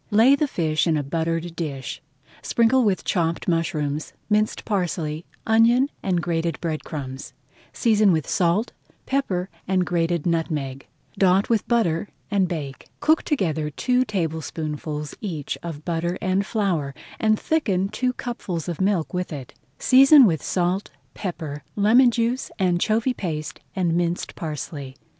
Lay the fish in a buttered dish, sprinkle with chopped mushrooms, minced parsley, onion, and grated bread crumbs, season with salt, pepper, and grated nutmeg. Dot with butter and bake. Cook together two tablespoonfuls each of butter and flour, and thicken two cupfuls of milk with it. Season with salt, pepper, lemon juice, anchovy paste, and minced parsley.